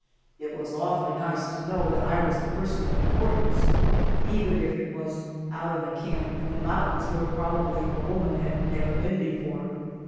It was awfully nice to know that I was a person of importance, even if it was out in a camp in the mountains where probably a woman had never been before.